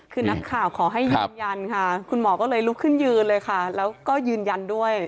คือนักข่าวขอให้ยืนยันค่ะคุณหมอก็เลยลุกขึ้นยืนเลยค่ะแล้วก็ยืนยันด้วย